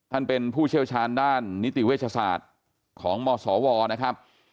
ท่านเป็นผู้เชี่ยวชาญด้านนิติเวชศาสตร์ของมศวนะครับ